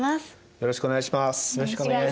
よろしくお願いします。